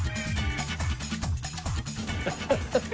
ハハハハ。